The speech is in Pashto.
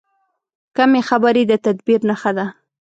کمې خبرې، د تدبیر نښه ده.